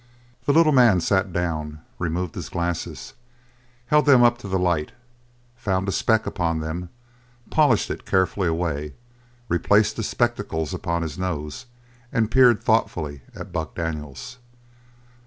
The little man sat down, removed his glasses, held them up to the light, found a speck upon them, polished it carefully away, replaced the spectacles upon his nose, and peered thoughtfully at Buck Daniels.